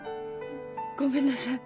ごめんなさい。